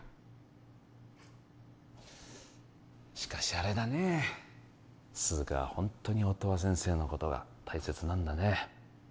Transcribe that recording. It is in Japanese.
しかしあれだねえ涼香はホントに音羽先生のことが大切なんだね